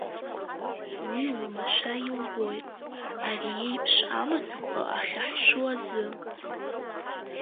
Уи уамашәа илбоит, ари еиԥш амаҭәақәа ахьаҳшәу азы.